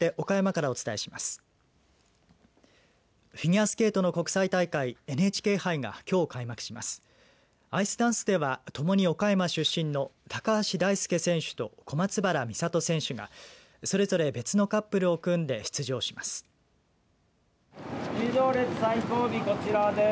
アイスダンスではともに岡山出身の高橋大輔選手と小松原美里選手がそれぞれ別のカップルを組んで出場します。